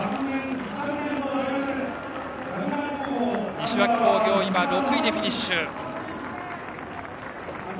西脇工業は６位でフィニッシュ。